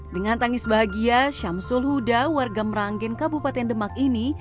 dengan tangis bahagia syamsul huda warga meranggen kabupaten demak ini